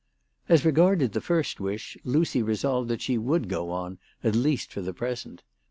As regarded the first wish, Lucy resolved that she would go on at least for the present.